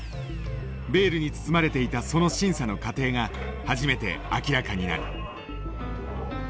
ベールに包まれていたその審査の過程が初めて明らかになる。